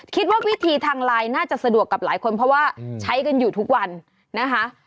คิดว่าวิธีทางไลน์น่าจะสะดวกกับหลายคนเพราะว่าใช้กันอยู่ทุกวันนะคะ